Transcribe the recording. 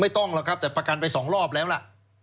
ต้องหรอกครับแต่ประกันไป๒รอบแล้วล่ะ